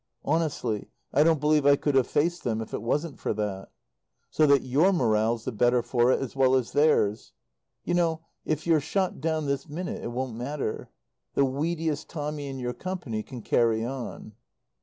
Honestly, I don't believe I could have faced them if it wasn't for that. So that your morale's the better for it as well as theirs. You know, if you're shot down this minute it won't matter. The weediest Tommy in your Company can "carry on."